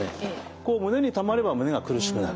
胸にたまれば胸が苦しくなる。